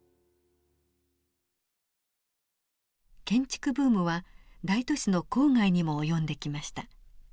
建築ブームは大都市の郊外にも及んできました。